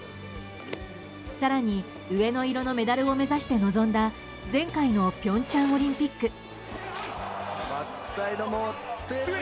更に上の色のメダルを目指して臨んだ前回の平昌オリンピック。